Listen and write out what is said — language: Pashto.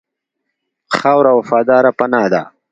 خاوره وفاداره پناه ده.